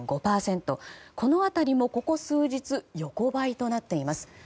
この辺りもここ数日横ばいとなっています。